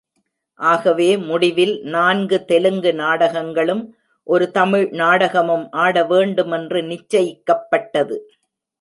ஆகவே முடிவில், நான்கு தெலுங்கு நாடகங்களும், ஒரு தமிழ் நாடகமும் ஆடவேண்டுமென்று நிச்சயிக்கப்பட்டது.